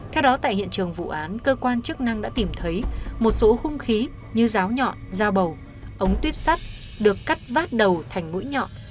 theo đó tại hiện trường vụ án cơ quan chức năng đã tìm thấy một số hung khí như ráo nhọn dao bầu ống tuyếp sắt được cắt vát đầu thành mũi nhọn